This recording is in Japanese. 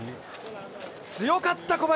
強かった！